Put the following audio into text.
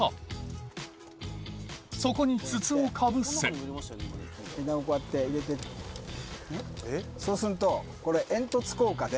そこに筒をかぶせ枝をこうやって入れてねっそうするとこれ。